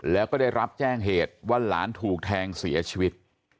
แล้วก็ได้รับแจ้งเหตุว่าหลานถูกแทงเสียชีวิต